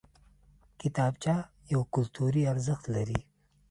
کتابچه یو کلتوري ارزښت لري